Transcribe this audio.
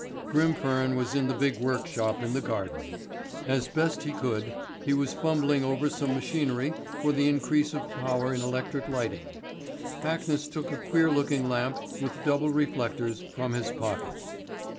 Grimfern was in the big workshop in the garden. As best he could, he was fumbling over some machinery for the increase of power in electric lighting. Hackness took a queer looking lamp with double reflectors from his pocket.